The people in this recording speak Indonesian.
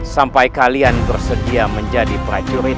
sampai kalian bersedia menjadi prajurit